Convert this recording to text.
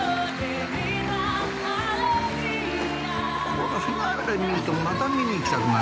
このフィナーレ見るとまた見に行きたくなる。